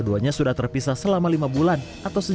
sangat saya berterima kasih